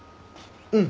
うん。